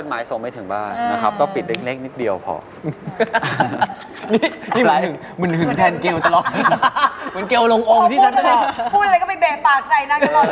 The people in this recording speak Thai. ไม่ต้องใหญ่อยู่แน่ถามผิดเขามาติดอะไร